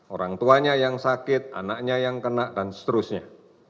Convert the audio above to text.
orang tuanya yang sakit anaknya yang kena dan seterusnya